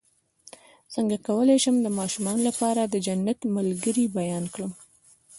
څنګه کولی شم د ماشومانو لپاره د جنت ملګري بیان کړم